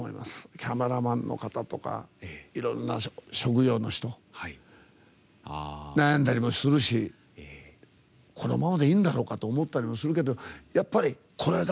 キャメラマンの方とかいろんな職業の人悩んだりもするしこのままでいいんだろうかとか思ったりもするしやっぱり、これだ！